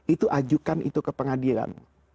itu ajukan ke pengadilan